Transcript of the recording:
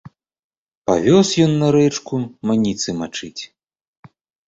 Павёз ён на рэчку маніцы мачыць.